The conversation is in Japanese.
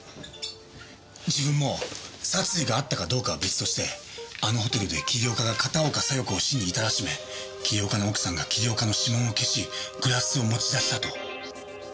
自分も殺意があったかどうかは別としてあのホテルで桐岡が片岡小夜子を死に至らしめ桐岡の奥さんが桐岡の指紋を消しグラスを持ち出したと。